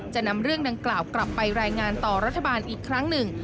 จะนำเรื่องดังกล่าวกลับไปรายงานต่อรัฐบาลอีกครั้งหนึ่ง